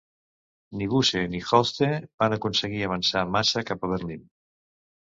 Ni Busse ni Holste van aconseguir avançar massa cap a Berlín.